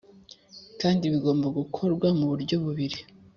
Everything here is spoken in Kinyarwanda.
kandi bigomba gukorwa mu buryo bubiri: